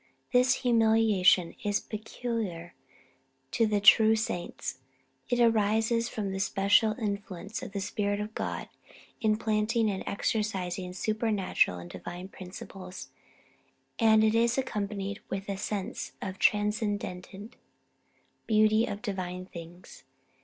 This humiliation is peculiar to the true saints. It arises from the special influence of the Spirit of God implanting and exercising supernatural and divine principles; and it is accompanied with a sense of the transcendent beauty of divine things.